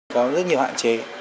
có rất nhiều hạn chế